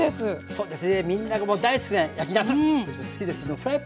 そうです。